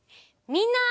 みんな！